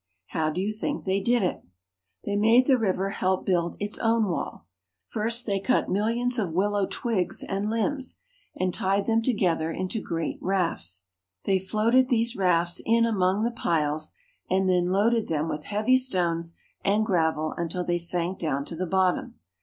How do you think they did it? They made the river help build its own wall. First they cut millions of willow twngs and limbs, and tied them to gether into great rafts. They floated these rafts in among the piles, and then loaded them with heavy stones and gravel until they sank down to the bottom.